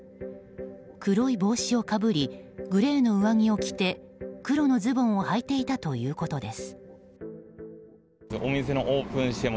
黒い帽子をかぶりグレーの上着を着て黒のズボンをはいていたということです。